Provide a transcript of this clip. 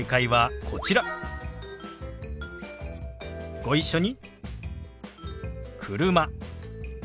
ご一緒に。